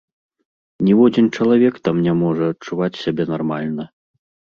Ніводзін чалавек там не можа адчуваць сябе нармальна.